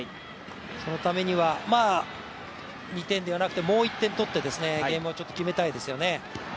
そのためには、２点ではなくてもう１点取ってゲームを決めたいですよね。